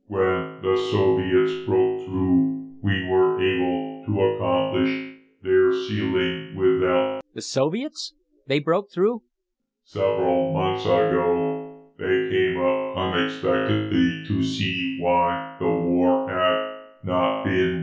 When the Soviets broke through, we were able to accomplish their sealing without " "The Soviets? They broke through?" "Several months ago, they came up unexpectedly to see why the war had not been won.